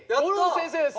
先生？